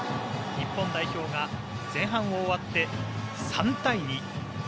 日本代表が前半を終わって３対２。